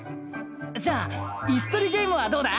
じゃあイスとりゲームはどうだ？